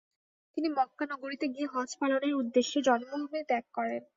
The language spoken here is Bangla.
তিনি মক্কা নগরীতে গিয়ে হজ্জ পালনের উদ্দেশ্যে জন্মভূমি ত্যাগ করেন।